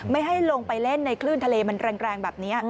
ไม่ให้ลงไปเล่นในคลื่นทะเลมันแรงแบบนี้